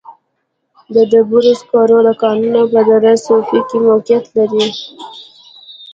د ډبرو سکرو کانونه په دره صوف کې موقعیت لري.